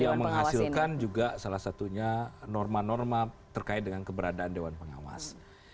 yang menghasilkan juga salah satunya norma norma terkait dengan keberadaan dewan pengawas